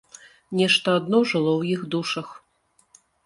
Нешта адно жыло ў іх душах.